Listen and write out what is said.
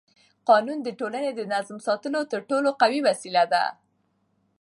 قانون د ټولنې د نظم ساتلو تر ټولو قوي وسیله ده